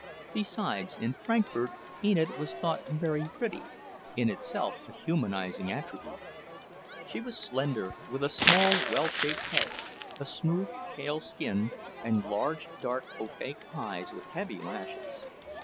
Besides, in Frankfort, Enid was thought very pretty, in itself a humanizing attribute. She was slender, with a small, well shaped head, a smooth, pale skin, and large, dark, opaque eyes with heavy lashes.